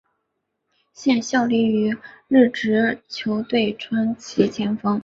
现效力于日职球队川崎前锋。